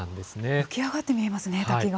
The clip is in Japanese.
浮き上がって見えますね、滝が。